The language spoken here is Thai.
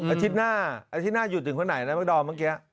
อาทิตย์หน้าอาทิตย์หน้าหยุดถึงคนไหนนะมาดอมเมื่อกี้